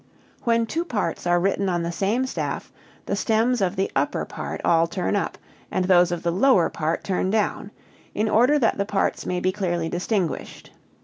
] 3. When two parts are written on the same staff, the stems of the upper part all turn up, and those of the lower part turn down, in order that the parts may be clearly distinguished.